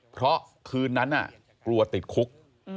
เพราะคืนนั้นกลัวติดคุก